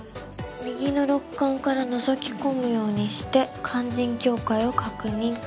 右の肋間からのぞき込むようにして肝腎境界を確認と。